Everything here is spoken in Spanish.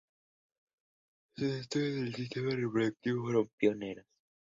Sus estudios del sistema reproductivo fueron pioneros.